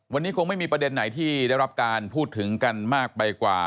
วันนี้คงไม่มีประเด็นไหนที่ได้รับการพูดถึงกันมากไปกว่า